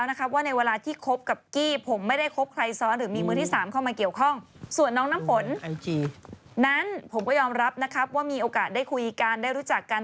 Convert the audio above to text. นั้นผมก็ยอมรับนะครับว่ามีโอกาสได้คุยกันได้รู้จักกัน